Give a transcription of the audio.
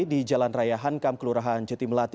di jalan raya hankam kelurahan jeti melati